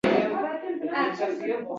Yoshlar faol hayot kechiruvchilardir.